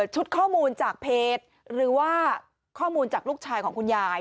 ข้อมูลจากเพจหรือว่าข้อมูลจากลูกชายของคุณยาย